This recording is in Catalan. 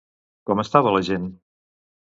Com estava, la gent?